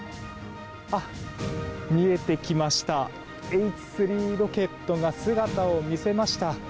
見えてきましたＨ３ロケットが姿を見せました。